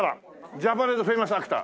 ジャパニーズフェイマスアクター。